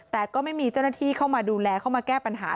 แต่ก็ไม่มีเจ้าหน้าที่เข้ามาดูแลเข้ามาแก้ปัญหา